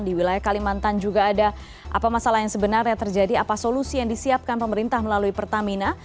di wilayah kalimantan juga ada apa masalah yang sebenarnya terjadi apa solusi yang disiapkan pemerintah melalui pertamina